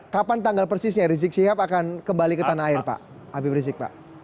kapan tanggal persisnya rizik sihab akan kembali ke tanah air pak